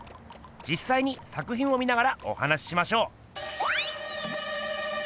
じっさいに作品を見ながらお話ししましょう！